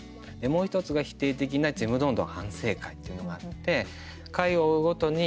もう１つが、否定的な＃ちむどんどん反省会っていうのがあって回を追うごとに＃